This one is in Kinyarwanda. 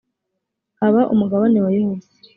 aba umugabane wa yehova